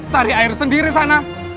cari air sendiri sana